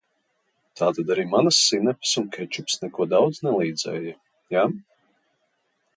Tātad arī manas sinepes un kečups neko daudz nelīdzēja, ja?